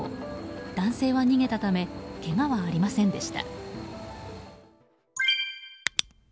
男性は逃げたためけがはありませんでした。